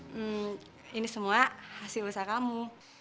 hmm ini semua hasil usaha kamu